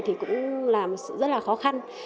thì cũng làm rất là khó khăn